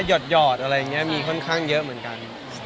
หอดอะไรอย่างนี้มีค่อนข้างเยอะเหมือนกัน